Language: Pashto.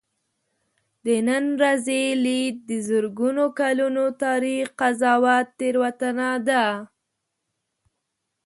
د نن ورځې لید د زرګونو کلونو تاریخ قضاوت تېروتنه ده.